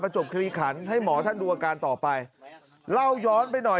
จบคลีขันให้หมอท่านดูอาการต่อไปเล่าย้อนไปหน่อย